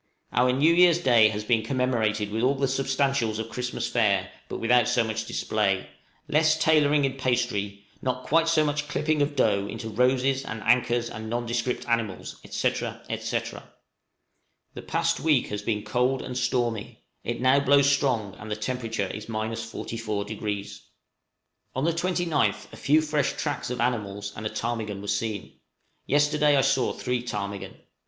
Our new year's day has been commemorated with all the substantials of Christmas fare, but without so much display, less tailoring in pastry, not quite so much clipping of dough into roses, and anchors, and nondescript animals, &c., &c. The past week has been cold and stormy; it now blows strong, and the temperature is 44°. On the 29th a few fresh tracks of animals and a ptarmigan were seen: yesterday I saw three ptarmigan.